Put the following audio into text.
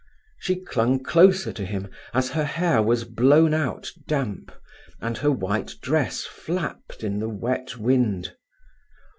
She clung closer to him, as her hair was blown out damp, and her white dress flapped in the wet wind.